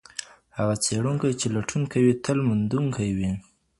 هغه څېړونکی چي لټون کوي تل موندونکی وي.